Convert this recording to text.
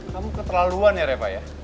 kamu keterlaluan ya repa ya